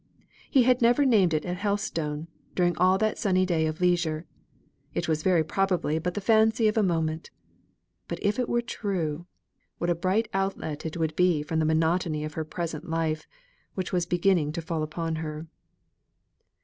He had never named it at Helstone, during all that sunny day of leisure; it was very probably but the fancy of a moment, but if it were true, what a bright outlet it would be from the monotony of her present life, which was beginning to fall upon her.